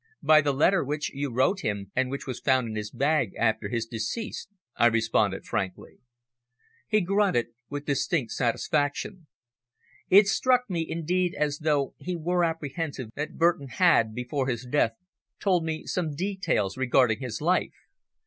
"By the letter which you wrote him, and which was found in his bag after his decease," I responded frankly. He grunted with distinct satisfaction. It struck me indeed as though he were apprehensive that Burton had before his death told me some details regarding his life.